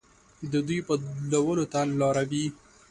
د دوی بدلولو ته لاره وي.